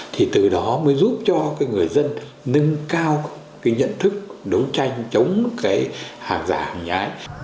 thì từ đó mới giúp cho người dân nâng cao cái nhận thức đấu tranh chống cái hàng giả hàng nhái